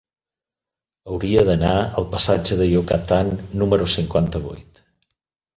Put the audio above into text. Hauria d'anar al passatge de Yucatán número cinquanta-vuit.